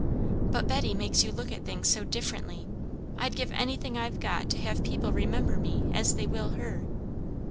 But Betty makes you look at things so differently. I'd give anything I've got to have people remember me as they will her.